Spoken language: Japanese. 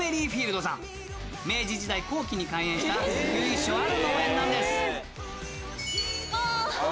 明治時代後期に開園した由緒ある農園なんです。